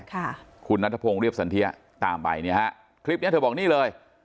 ที่คุณนัทพงศ์เรียบสันเทียดตามใบกลิ๊บนี้เธอบอกนี่เลย